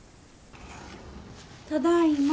ただいま。